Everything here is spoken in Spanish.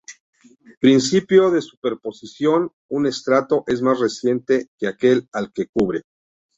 Principio de superposición; un estrato es más reciente que aquel al que cubre.